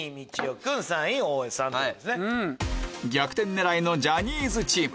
逆転狙いのジャニーズチーム